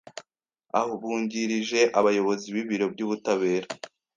Abungirije abayobozi b Ibiro by Ubutabera